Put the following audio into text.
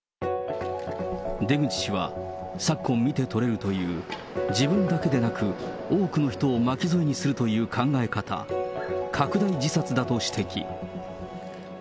出口氏は、さっこん見て取れるという、自分だけでなく、多くの人を巻き添えにするという考え方、拡大自殺だと指摘。